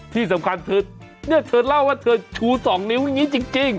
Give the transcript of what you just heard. ที่สำคัญเธอเนี่ยเธอเล่าว่าเธอชู๒นิ้วอย่างนี้จริง